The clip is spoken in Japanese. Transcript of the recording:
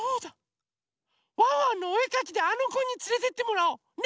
「ワンワンのおえかき」であのこにつれてってもらおう！ね！